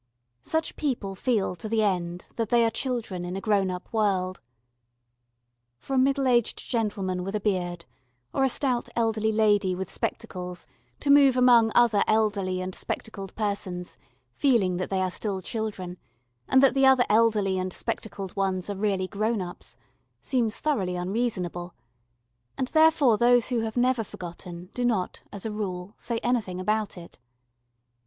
Such people feel to the end that they are children in a grown up world. For a middle aged gentleman with a beard or a stout elderly lady with spectacles to move among other elderly and spectacled persons feeling that they are still children, and that the other elderly and spectacled ones are really grown ups, seems thoroughly unreasonable, and therefore those who have never forgotten do not, as a rule, say anything about it.